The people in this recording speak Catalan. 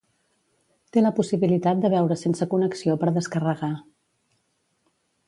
Té la possibilitat de veure sense connexió per descarregar.